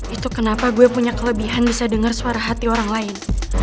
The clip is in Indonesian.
itu kenapa gue punya kelebihan bisa dengar suara hati orang lain